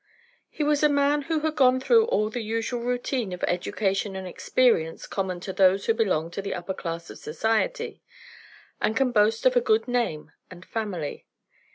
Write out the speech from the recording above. He was a man who had gone through all the usual routine of education and experience common to those who belong to the upper class of society, and can boast of a good name and family.